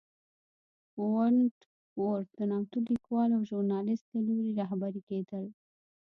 ونټ ورت د نامتو لیکوال او ژورنالېست له لوري رهبري کېدل.